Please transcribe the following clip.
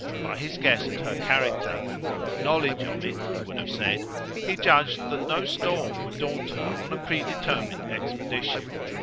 By his guess at her character (knowledge of it, he would have said), he judged that no storm would daunt her on a predetermined expedition.